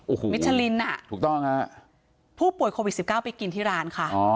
โอโหฉะลินถูกต้องครับผู้บ่วนโควิดสิบเก้าไปกินที่ร้านค่ะ